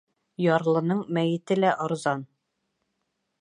Ярлының мәйете лә арзан.